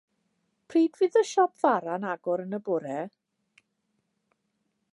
Pryd fydd y siop fara yn agor yn y bore?